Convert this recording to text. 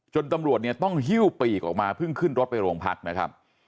ตำรวจเนี่ยต้องหิ้วปีกออกมาเพิ่งขึ้นรถไปโรงพักนะครับ